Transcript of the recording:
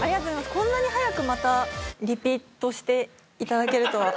こんなに早くまたリピートして頂けるとは。